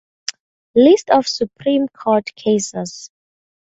List of Supreme Court cases